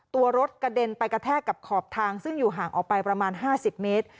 ตัวรถกระเด็นไปกระแทกกับขอบทางซึ่งอยู่ห่างออกไปประมาณ๕๐เมตร